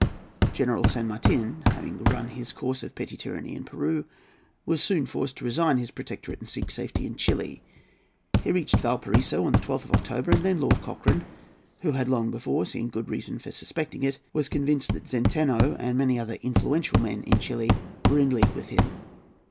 General San Martin, having run his course of petty tyranny in Peru, was soon forced to resign his protectorate and seek safety in Chili. He reached Valparaiso on the 12th of October, and then Lord Cochrane, who had long before seen good reasons for suspecting it, was convinced that Zenteno and many other influential men in Chili were in league with him.